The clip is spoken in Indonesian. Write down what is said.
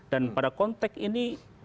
dan pada konteks ini